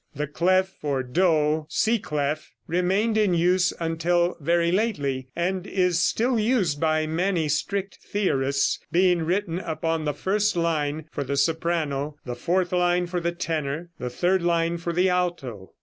The clef for do (C clef) remained in use until very lately, and is still used by many strict theorists, being written upon the first line for the soprano, the fourth line for the tenor, the third line for the alto.